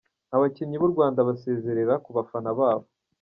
abakinnyi b'u Rwanda basezera ku bafana babo.